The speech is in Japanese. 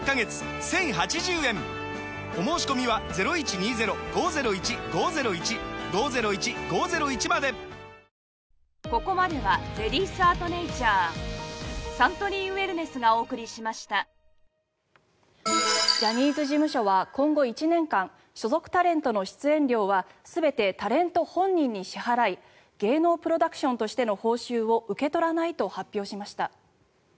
１，０８０円お申込みはジャニーズ事務所は今後１年間所属タレントの出演料は全てタレント本人に支払い芸能プロダクションとしての報酬を受け取らないと発表しました。